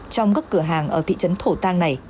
trong các cửa hàng ở thị trấn thổ tàng này